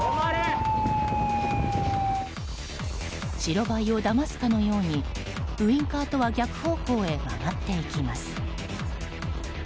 白バイをだますかのようにウインカーとは逆方向へ曲がっていきます。